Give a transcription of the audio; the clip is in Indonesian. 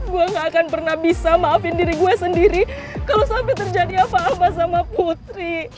gue gak akan pernah bisa maafin diri gue sendiri kalau sampai terjadi apa apa sama putri